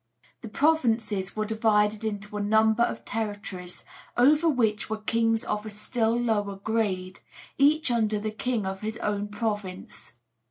The provinces were divided into a number of territories, over which were kings of a still lower grade, each under the king of his own province.